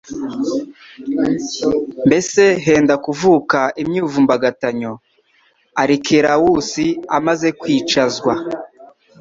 mbese henda kuvuka imyivumbagatanyo. Arikelawusi amaze kwicazwa,